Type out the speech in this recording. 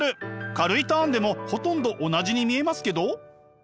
軽いターンでもほとんど同じに見えますけど？